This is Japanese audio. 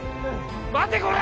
待てこら！